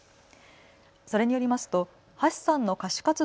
それによりますと橋さんの歌手活動